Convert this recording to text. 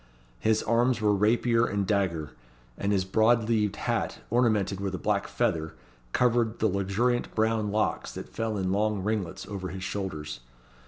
His arms were rapier and dagger; and his broad leaved hat, ornamented with a black feather, covered the luxuriant brown locks that fell in long ringlets over his shoulders.